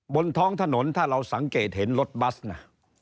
บนท้องถนนถ้าเราสังเกตเห็นรถบัสนะ